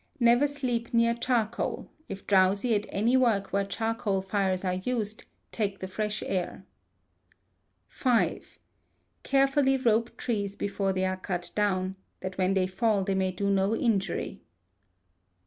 Never sleep near charcoal; if drowsy at any work where charcoal fires are used, take the fresh air. v. Carefully rope trees before they are cut down, that when they fall they may do no injury. vi.